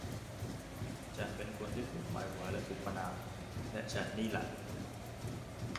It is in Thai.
ฉันเป็นคนที่ถูกหมายหัวและถูกประณาม และฉันนี่ล่ะ